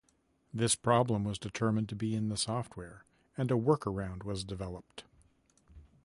This problem was determined to be in the software, and a workaround was developed.